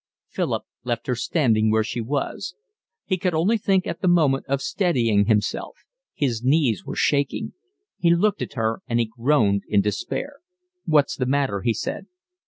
Philip left her standing where she was. He could only think at the moment of steadying himself. His knees were shaking. He looked at her, and he groaned in despair. "What's the matter?" he said.